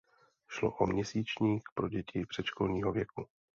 Šlo o měsíčník pro děti předškolního věku.